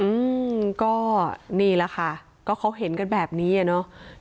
อืมก็นี่แหละค่ะก็เขาเห็นกันแบบนี้อ่ะเนอะ